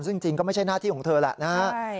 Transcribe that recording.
ซึ่งจริงก็ไม่ใช่หน้าที่ของเธอแหละนะฮะ